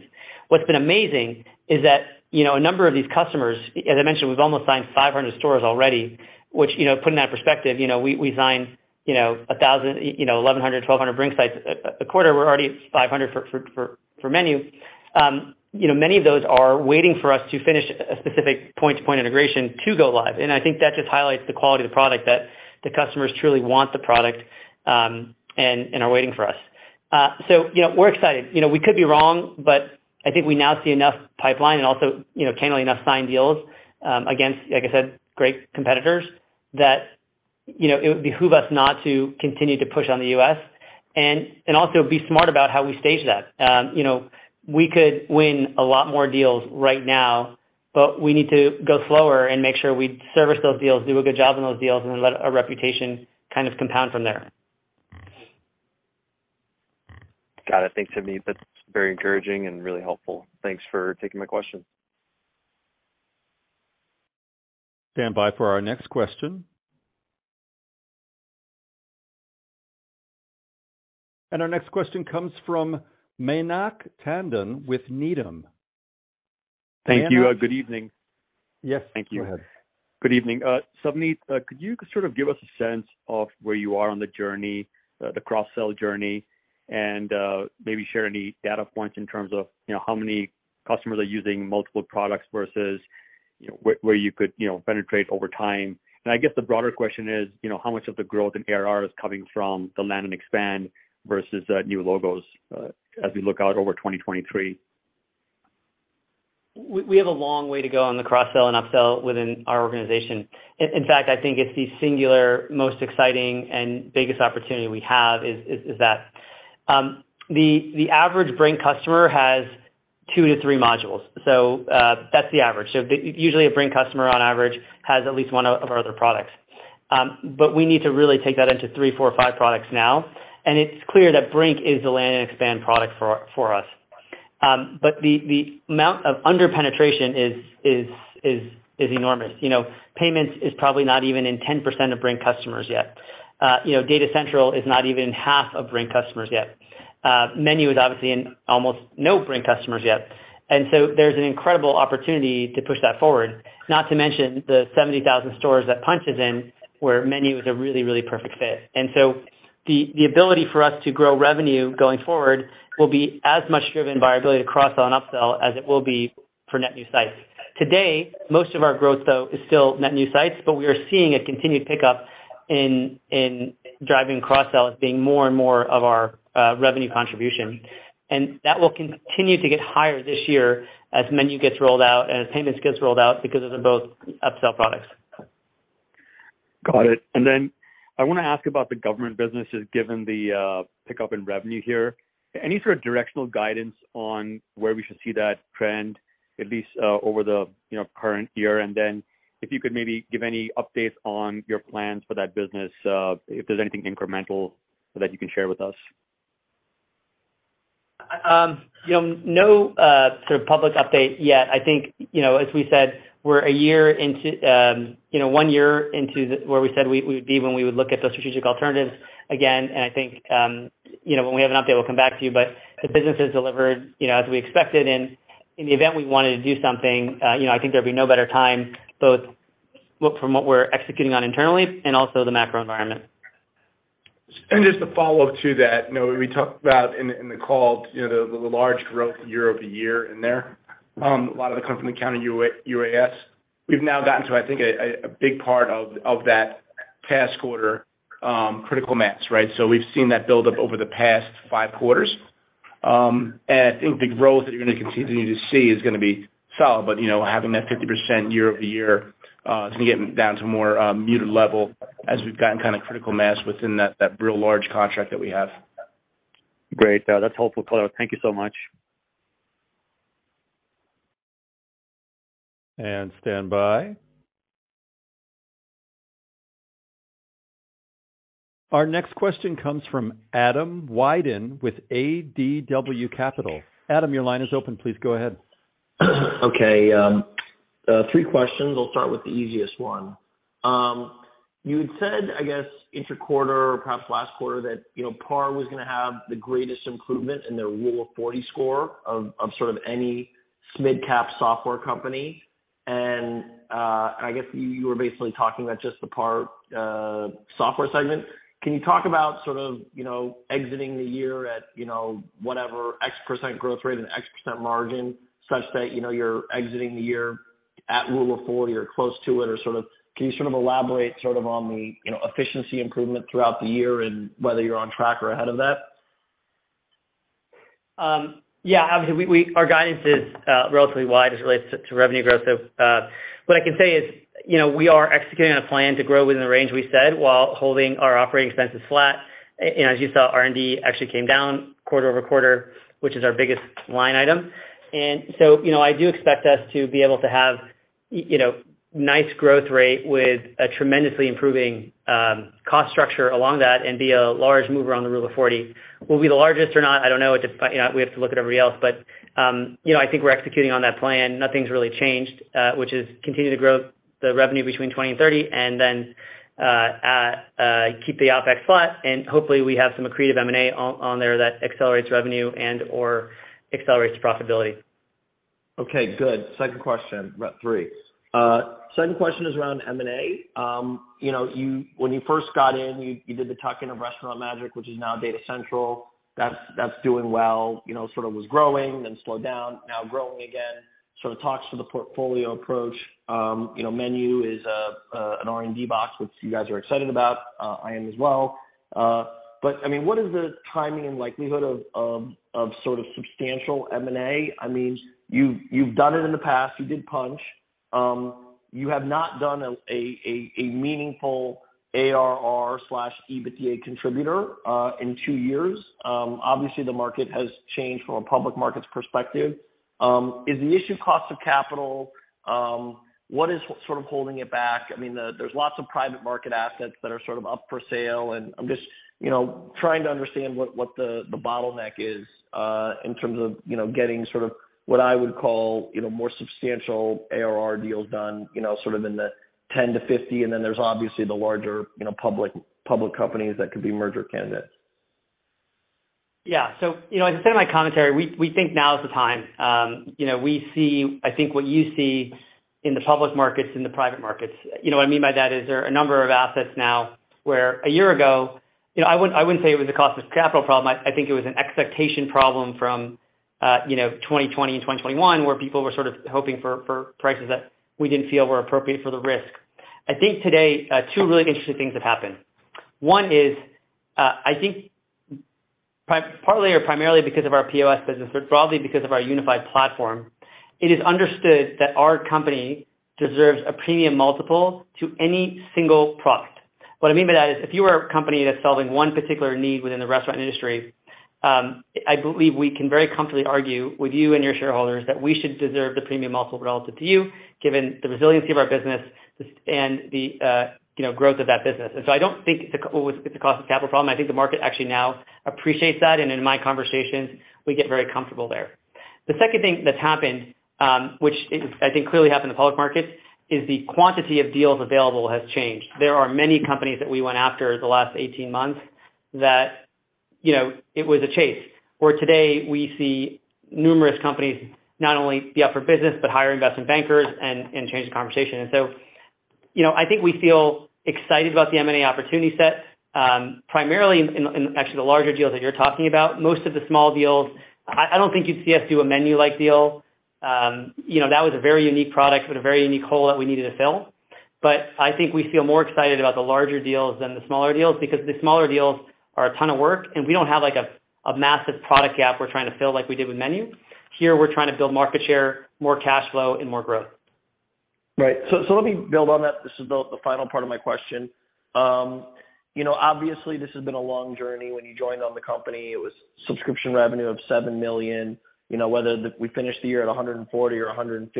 What's been amazing is that, you know, a number of these customers, as I mentioned, we've almost signed 500 stores already, which, you know, putting that in perspective, you know, we signed, you know, 1,000, you know, 1,100, 1,200 Brink sites a quarter. We're already at 500 for MENU. You know, many of those are waiting for us to finish a specific point-to-point integration to go live. I think that just highlights the quality of the product that the customers truly want the product and are waiting for us. You know, we're excited. You know, we could be wrong, but I think we now see enough pipeline and also, you know, candidly enough signed deals, against, like I said, great competitors, that, you know, it would behoove us not to continue to push on the U.S. and also be smart about how we stage that. You know, we could win a lot more deals right now, but we need to go slower and make sure we service those deals, do a good job on those deals, and then let our reputation kind of compound from there. Got it. Thanks, Savneet. That's very encouraging and really helpful. Thanks for taking my question. Stand by for our next question. Our next question comes from Mayank Tandon with Needham. Mayank Thank you. Good evening. Yes. Thank you. Go ahead. Good evening. Savneet, could you sort of give us a sense of where you are on the journey, the cross-sell journey, and maybe share any data points in terms of, you know, how many customers are using multiple products versus where you could, you know, penetrate over time. I guess the broader question is, you know, how much of the growth in ARR is coming from the land and expand versus the new logos, as we look out over 2023. We have a long way to go on the cross-sell and upsell within our organization. In fact, I think it's the singular most exciting and biggest opportunity we have is that. The average Brink customer has 2 to 3 modules. That's the average. Usually, a Brink customer, on average, has at least one of our other products. But we need to really take that into 3, 4, 5 products now, and it's clear that Brink is a land and expand product for us. But the amount of under-penetration is enormous. You know, payments is probably not even in 10% of Brink customers yet. You know, Data Central is not even half of Brink customers yet. MENU is obviously in almost no Brink customers yet. There's an incredible opportunity to push that forward, not to mention the 70,000 stores that Punchh is in, where MENU is a really perfect fit. The ability for us to grow revenue going forward will be as much driven by our ability to cross-sell and upsell as it will be for net new sites. Today, most of our growth, though, is still net new sites, but we are seeing a continued pickup in driving cross-sell as being more and more of our revenue contribution. That will continue to get higher this year as MENU gets rolled out and as Payments gets rolled out because of they're both upsell products. Got it. I wanna ask about the government businesses, given the pickup in revenue here. Any sort of directional guidance on where we should see that trend, at least, over the, you know, current year? If you could maybe give any updates on your plans for that business, if there's anything incremental that you can share with us. You know, no sort of public update yet. I think, you know, as we said, we're a year into, you know, 1 year into where we said we would be when we would look at those strategic alternatives again. I think, you know, when we have an update, we'll come back to you. The business has delivered, you know, as we expected. In the event we wanted to do something, you know, I think there'd be no better time, both look from what we're executing on internally and also the macro environment. Just a follow-up to that. You know, we talked about in the call, you know, the large growth year-over-year in there. A lot of it come from the Counter-UAS. We've now gotten to, I think, a big part of that past quarter, critical mass, right. We've seen that build up over the past five quarters. I think the growth that you're gonna continue to see is gonna be solid. You know, having that 50% year-over-year is gonna get down to a more muted level as we've gotten kind of critical mass within that real large contract that we have. Great. That's helpful color. Thank you so much. Stand by. Our next question comes from Adam Wyden with ADW Capital. Adam, your line is open. Please go ahead. Okay, three questions. I'll start with the easiest one. You had said, I guess, interquarter or perhaps last quarter, that, you know, PAR was gonna have the greatest improvement in their Rule of 40 score of sort of any mid-cap software company. I guess you were basically talking about just the PAR software segment. Can you talk about sort of, you know, exiting the year at, you know, whatever X% growth rate and X% margin such that, you know, you're exiting the year at Rule of 40 or close to it or sort of, can you sort of elaborate sort of on the, you know, efficiency improvement throughout the year and whether you're on track or ahead of that? Yeah. Obviously we our guidance is relatively wide as it relates to revenue growth. What I can say is, you know, we are executing on a plan to grow within the range we said while holding our operating expenses flat. As you saw, R&D actually came down quarter-over-quarter, which is our biggest line item. You know, I do expect us to be able to have, you know, nice growth rate with a tremendously improving cost structure along that and be a large mover on the Rule of 40. Will we be the largest or not? I don't know. It just, you know, we have to look at everybody else. You know, I think we're executing on that plan. Nothing's really changed, which is continue to grow the revenue between 20% and 30% and then, keep the OpEx flat, and hopefully, we have some accretive M&A on there that accelerates revenue and/or accelerates profitability. Okay, good. Second question. Well, 3. Second question is around M&A. You know, when you first got in, you did the tuck-in of Restaurant Magic, which is now Data Central. That's doing well, you know, sort of was growing, then slowed down, now growing again. The talks for the portfolio approach. You know, MENU is an R&D box, which you guys are excited about. I am as well. I mean, what is the timing and likelihood of sort of substantial M&A? I mean, you've done it in the past. You did Punchh. You have not done a meaningful ARR/EBITDA contributor in 2 years. Obviously, the market has changed from a public markets perspective. Is the issue cost of capital? What is sort of holding it back? I mean, there's lots of private market assets that are sort of up for sale, and I'm just, you know, trying to understand what the bottleneck is in terms of, you know, getting sort of what I would call, you know, more substantial ARR deals done, you know, sort of in the $10 million-$50 million. Then there's obviously the larger, you know, public companies that could be merger candidates. You know, as I said in my commentary, we think now is the time. You know, we see, I think what you see in the public markets, in the private markets. You know, what I mean by that is there are a number of assets now where a year ago, you know, I wouldn't say it was a cost of capital problem. I think it was an expectation problem from, you know, 2020 and 2021, where people were sort of hoping for prices that we didn't feel were appropriate for the risk. I think today, two really interesting things have happened. One is, I think partly or primarily because of our POS business, but broadly because of our unified platform, it is understood that our company deserves a premium multiple to any single product. What I mean by that is if you are a company that's solving one particular need within the restaurant industry, I believe we can very comfortably argue with you and your shareholders that we should deserve the premium multiple relative to you, given the resiliency of our business and the, you know, growth of that business. I don't think it's a cost of capital problem. I think the market actually now appreciates that. In my conversations, we get very comfortable there. The second thing that's happened, which is, I think clearly happened in the public markets, is the quantity of deals available has changed. There are many companies that we went after the last 18 months that, you know, it was a chase. Where today we see numerous companies not only be up for business, but hire investment bankers and change the conversation. You know, I think we feel excited about the M&A opportunity set, primarily in actually the larger deals that you're talking about. Most of the small deals, I don't think you'd see us do a MENU like deal. You know, that was a very unique product with a very unique hole that we needed to fill. I think we feel more excited about the larger deals than the smaller deals because the smaller deals are a ton of work, and we don't have, like a massive product gap we're trying to fill like we did with MENU. Here, we're trying to build market share, more cash flow and more growth. Right. Let me build on that. This is the final part of my question. You know, obviously this has been a long journey. When you joined on the company, it was subscription revenue of $7 million. You know, whether we finished the year at $140 million or $150 million,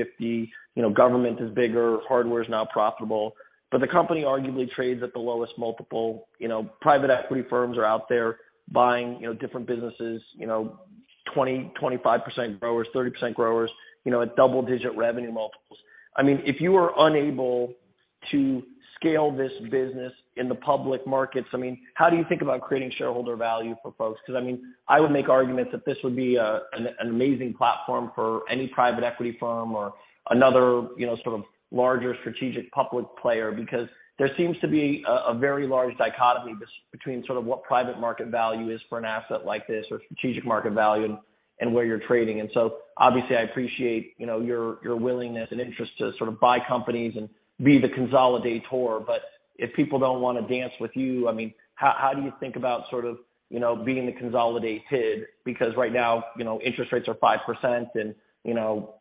you know, government is bigger, hardware is now profitable, the company arguably trades at the lowest multiple. You know, private equity firms are out there buying, you know, different businesses, you know, 20%-25% growers, 30% growers, you know, at double-digit revenue multiples. I mean, if you are unable to scale this business in the public markets, I mean, how do you think about creating shareholder value for folks? I mean, I would make arguments that this would be an amazing platform for any private equity firm or another, you know, sort of larger strategic public player. There seems to be a very large dichotomy between sort of what private market value is for an asset like this or strategic market value and where you're trading. Obviously I appreciate, you know, your willingness and interest to sort of buy companies and be the consolidator. If people don't wanna dance with you, I mean how do you think about sort of, you know, being the consolidated? Right now, you know, interest rates are 5% and you know,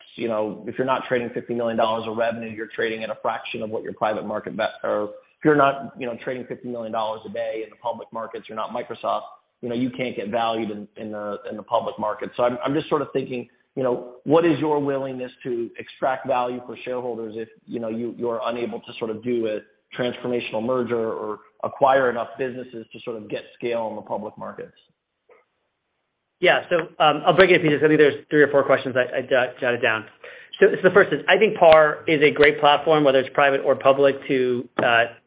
if you're not trading $50 million of revenue, you're trading at a fraction of what your private market or if you're not, you know, trading $50 million a day in the public markets, you're not Microsoft, you know, you can't get valued in the public market. I'm just sort of thinking, you know, what is your willingness to extract value for shareholders if, you know, you're unable to sort of do a transformational merger or acquire enough businesses to sort of get scale in the public markets? Yeah. I'll break it into pieces. I think there's three or four questions I jotted down. The first is, I think PAR is a great platform, whether it's private or public, to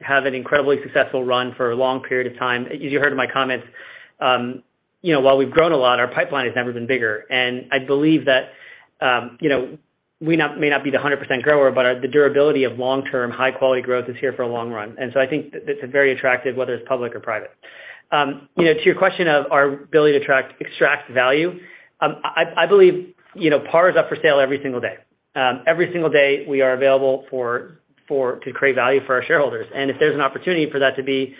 have an incredibly successful run for a long period of time. As you heard in my comments, you know, while we've grown a lot, our pipeline has never been bigger. I believe that, you know, we may not be the 100% grower, but the durability of long-term, high-quality growth is here for a long run. I think it's very attractive, whether it's public or private. You know, to your question of our ability to attract, extract value, I believe, you know, PAR is up for sale every single day. Every single day we are available for, to create value for our shareholders. If there's an opportunity for that to be,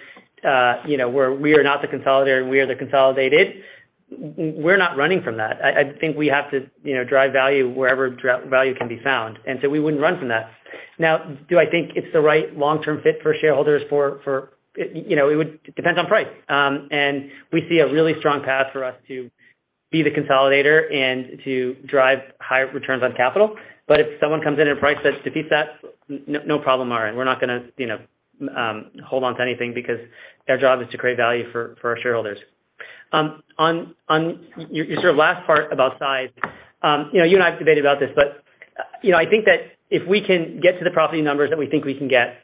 you know, where we are not the consolidator and we are the consolidated, we're not running from that. I think we have to, you know, drive value wherever value can be found. So we wouldn't run from that. Do I think it's the right long-term fit for shareholders for...? You know, it would, it depends on price. We see a really strong path for us to be the consolidator and to drive higher returns on capital. If someone comes in at a price that defeats that, no problem, Oren. We're not gonna, you know, hold on to anything because our job is to create value for our shareholders. On your sort of last part about size, you know, you and I have debated about this, but, you know, I think that if we can get to the property numbers that we think we can get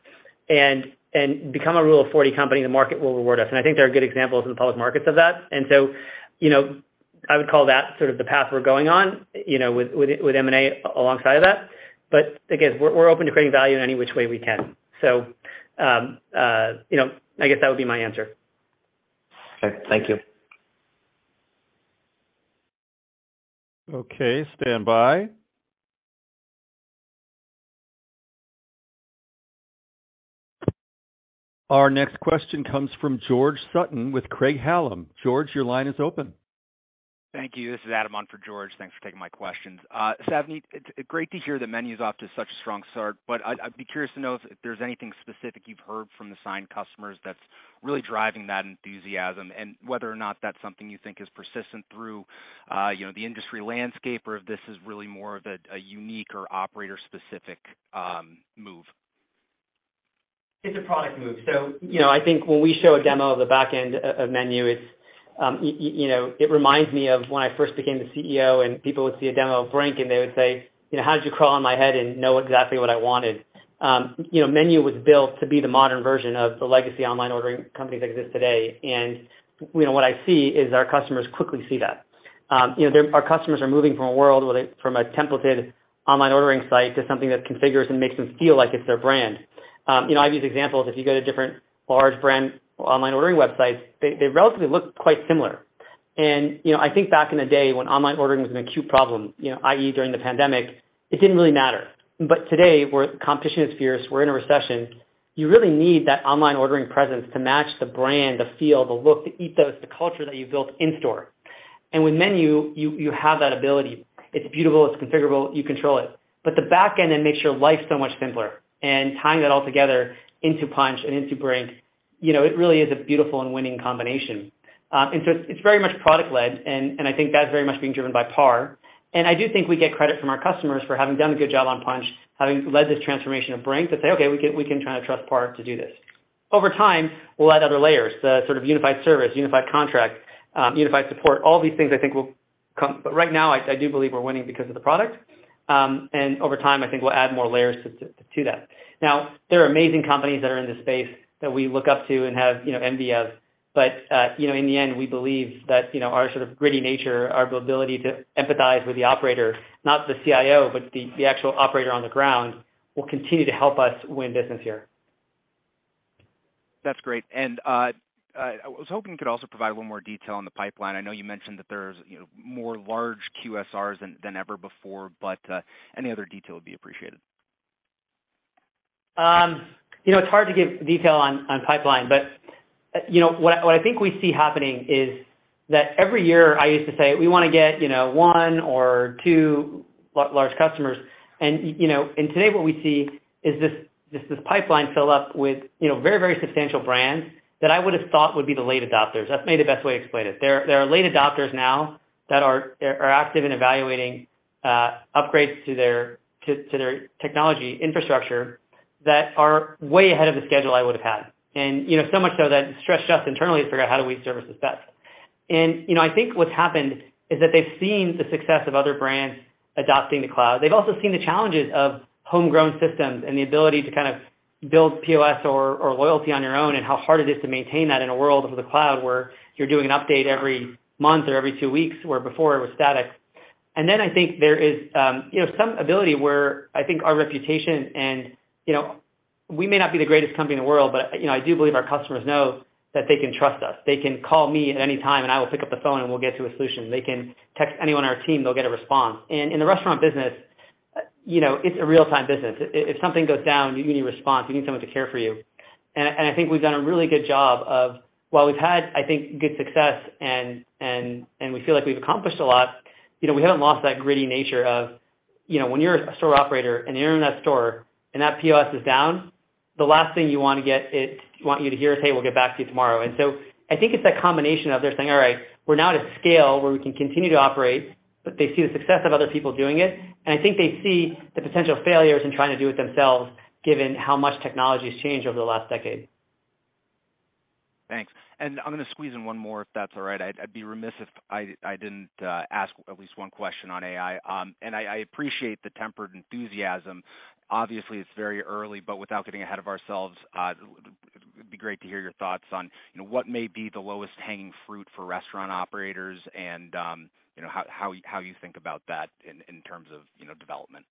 and become a Rule of 40 company, the market will reward us. I think there are good examples in the public markets of that. You know, I would call that sort of the path we're going on, you know, with M&A alongside of that. Again, we're open to creating value in any which way we can. You know, I guess that would be my answer. Okay. Thank you. Okay, stand by. Our next question comes from George Sutton with Craig-Hallum. George, your line is open. Thank you. This is Adam on for George. Thanks for taking my questions. Savneet, it's great to hear that MENU's off to such a strong start. I'd be curious to know if there's anything specific you've heard from the signed customers that's really driving that enthusiasm and whether or not that's something you think is persistent through, you know, the industry landscape, or if this is really more of a unique or operator specific move. It's a product move. You know, I think when we show a demo of the back end of MENU, it's, you know, it reminds me of when I first became the CEO and people would see a demo of Brink and they would say, you know, "How did you crawl in my head and know exactly what I wanted?" You know, MENU was built to be the modern version of the legacy online ordering companies that exist today. You know, what I see is our customers quickly see that. You know, our customers are moving from a world where they from a templated online ordering site to something that configures and makes them feel like it's their brand. You know, I have these examples. If you go to different large brand online ordering websites, they relatively look quite similar. You know, I think back in the day when online ordering was an acute problem, you know, i.e., during the pandemic, it didn't really matter. Today, where competition is fierce, we're in a recession, you really need that online ordering presence to match the brand, the feel, the look, the ethos, the culture that you built in store. With MENU, you have that ability. It's beautiful, it's configurable, you control it. The back end, it makes your life so much simpler. Tying that all together into Punchh and into Brink, you know, it really is a beautiful and winning combination. It's very much product led, and I think that's very much being driven by PAR. I do think we get credit from our customers for having done a good job on Punchh, having led this transformation of Brink, to say, "Okay, we can kind of trust PAR to do this." Over time, we'll add other layers, the sort of unified service, unified contract, unified support, all these things I think will come. Right now I do believe we're winning because of the product. And over time, I think we'll add more layers to that. There are amazing companies that are in this space that we look up to and have, you know, envy of. You know, in the end, we believe that, you know, our sort of gritty nature, our ability to empathize with the operator, not the CIO, but the actual operator on the ground, will continue to help us win business here. That's great. I was hoping you could also provide a little more detail on the pipeline. I know you mentioned that there's, you know, more large QSRs than ever before, any other detail would be appreciated. You know, it's hard to give detail on pipeline, but, you know, what I think we see happening is that every year I used to say, we wanna get, you know, one or two large customers. You know, and today what we see is just this pipeline fill up with, you know, very, very substantial brands that I would've thought would be the late adopters. That's maybe the best way to explain it. There are late adopters now that are active in evaluating upgrades to their technology infrastructure that are way ahead of the schedule I would've had. You know, so much so that it stressed us internally to figure out how do we service this best. You know, I think what's happened is that they've seen the success of other brands adopting the cloud. They've also seen the challenges of homegrown systems and the ability to kind of build POS or loyalty on your own and how hard it is to maintain that in a world of the cloud where you're doing an update every month or every 2 weeks, where before it was static. Then I think there is, you know, some ability where I think our reputation and, you know, we may not be the greatest company in the world, but, you know, I do believe our customers know that they can trust us. They can call me at any time and I will pick up the phone and we'll get to a solution. They can text anyone on our team, they'll get a response. In the restaurant business, you know, it's a real-time business. If, if something goes down, you need a response. You need someone to care for you. I think we've done a really good job of while we've had, I think, good success and, and we feel like we've accomplished a lot, you know, we haven't lost that gritty nature of, you know, when you're a store operator and you're in that store and that POS is down, the last thing you wanna get is want you to hear is, "Hey, we'll get back to you tomorrow." I think it's that combination of they're saying, "All right, we're now at a scale where we can continue to operate," but they see the success of other people doing it, and I think they see the potential failures in trying to do it themselves, given how much technology has changed over the last decade. Thanks. I'm gonna squeeze in one more, if that's all right. I'd be remiss if I didn't ask at least one question on AI. I appreciate the tempered enthusiasm. Obviously, it's very early, but without getting ahead of ourselves, it'd be great to hear your thoughts on, you know, what may be the lowest hanging fruit for restaurant operators and, you know, how you think about that in terms of, you know, development.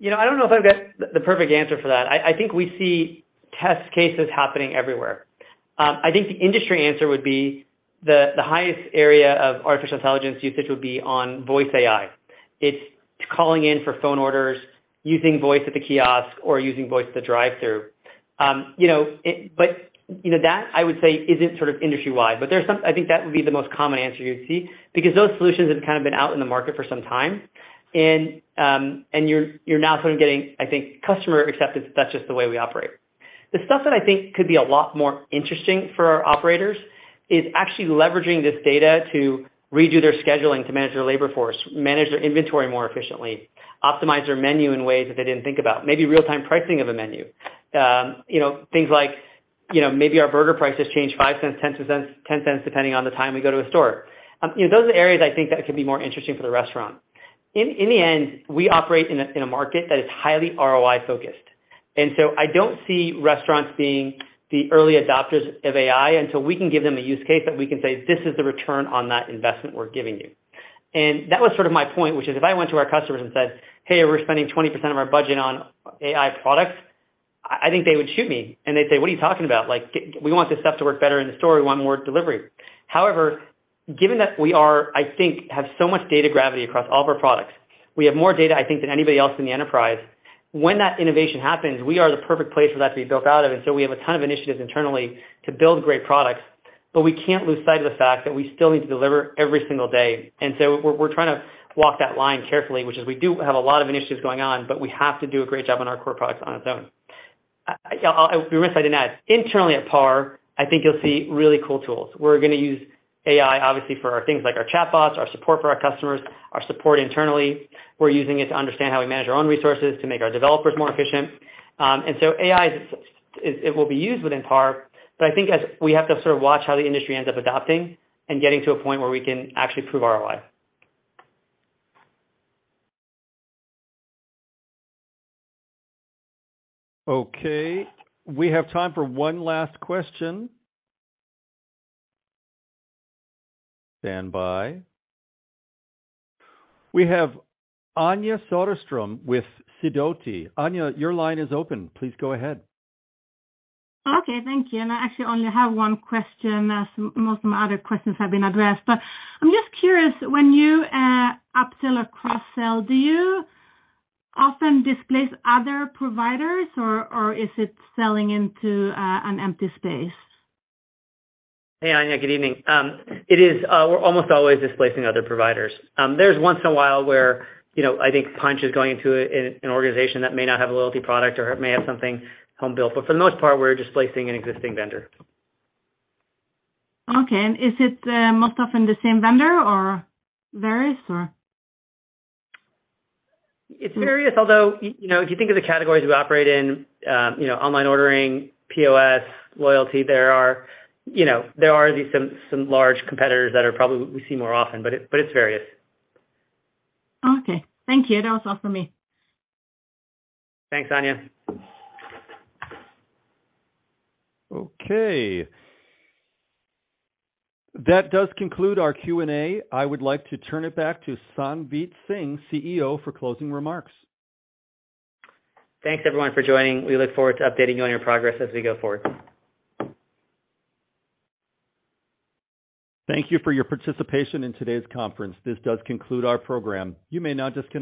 You know, I don't know if I've got the perfect answer for that. I think we see test cases happening everywhere. I think the industry answer would be the highest area of artificial intelligence usage would be on voice AI. It's calling in for phone orders, using voice at the kiosk or using voice at the drive-thru. you know, that, I would say, isn't sort of industry wide, I think that would be the most common answer you'd see because those solutions have kind of been out in the market for some time. you're now sort of getting, I think, customer acceptance that's just the way we operate. The stuff that I think could be a lot more interesting for our operators is actually leveraging this data to redo their scheduling, to manage their labor force, manage their inventory more efficiently, optimize their menu in ways that they didn't think about. Maybe real-time pricing of a menu. Things like, you know, maybe our burger price has changed $0.05, $0.10, depending on the time we go to a store. You know, those are areas I think that could be more interesting for the restaurant. In the end, we operate in a market that is highly ROI focused, I don't see restaurants being the early adopters of AI until we can give them a use case that we can say, "This is the return on that investment we're giving you." That was sort of my point, which is if I went to our customers and said, "Hey, we're spending 20% of our budget on AI products," I think they would shoot me and they'd say, "What are you talking about? Like we want this stuff to work better in the store. We want more delivery." However, given that we are, I think, have so much data gravity across all of our products, we have more data, I think, than anybody else in the enterprise. When that innovation happens, we are the perfect place for that to be built out of, and so we have a ton of initiatives internally to build great products, but we can't lose sight of the fact that we still need to deliver every single day. We're trying to walk that line carefully, which is we do have a lot of initiatives going on, but we have to do a great job on our core products on its own. I'll be remiss if I didn't add, internally at PAR, I think you'll see really cool tools. We're gonna use AI obviously for our things like our chatbots, our support for our customers, our support internally. We're using it to understand how we manage our own resources to make our developers more efficient. AI is, it will be used within PAR, but I think as we have to sort of watch how the industry ends up adopting and getting to a point where we can actually prove ROI. Okay. We have time for one last question. Standby. We have Anja Soderstrom with Sidoti. Anja, your line is open. Please go ahead. Okay. Thank you. I actually only have one question, as most of my other questions have been addressed. I'm just curious, when you upsell or cross-sell, do you often displace other providers or is it selling into an empty space? Hey, Anja, good evening. It is, we're almost always displacing other providers. There's once in a while where, you know, I think Punchh is going into an organization that may not have a loyalty product or it may have something home-built, but for the most part, we're displacing an existing vendor. Okay. Is it most often the same vendor or various or? It's various, although, you know, if you think of the categories we operate in, you know, online ordering, POS, loyalty, there are, you know, there are these some large competitors that are probably we see more often, but it's various. Okay. Thank you. That was all for me. Thanks, Anja. Okay. That does conclude our Q&A. I would like to turn it back to Savneet Singh, CEO, for closing remarks. Thanks, everyone, for joining. We look forward to updating you on your progress as we go forward. Thank you for your participation in today's conference. This does conclude our program. You may now disconnect.